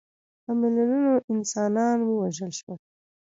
په میلیونونو انسانان ووژل شول.